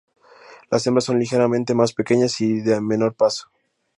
Las hembras son ligeramente más pequeñas y de menor peso.